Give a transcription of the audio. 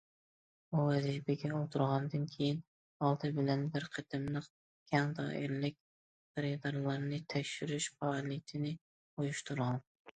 ئۇ ۋەزىپىگە ئولتۇرغاندىن كېيىن، ئالدى بىلەن بىر قېتىملىق كەڭ دائىرىلىك خېرىدارلارنى تەكشۈرۈش پائالىيىتىنى ئۇيۇشتۇرغان.